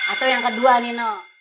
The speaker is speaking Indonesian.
atau yang kedua nino